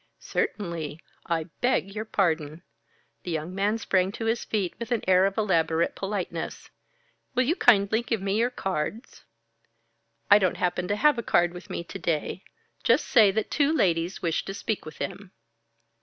"Certainly! I beg your pardon." The young man sprang to his feet with an air of elaborate politeness. "Will you kindly give me your cards?" "I don't happen to have a card with me to day. Just say that two ladies wish to speak with him."